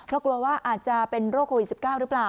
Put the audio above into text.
เพราะกลัวว่าอาจจะเป็นโรคโควิด๑๙หรือเปล่า